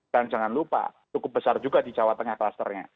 dan jangan lupa cukup besar juga di jawa tengah klusternya